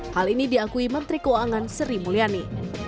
hal ini diakui menteri keuangan sri mulyani